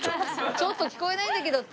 ちょっと聞こえないんだけどって